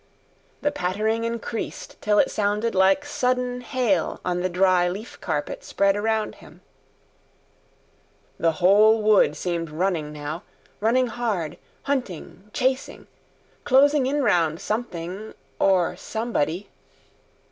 The pattering increased till it sounded like sudden hail on the dry leaf carpet spread around him. The whole wood seemed running now, running hard, hunting, chasing, closing in round something or—somebody?